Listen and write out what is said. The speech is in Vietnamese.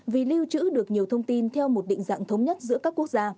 vì lưu trữ được nhiều thông tin theo một định dạng thống nhất giữa các quốc gia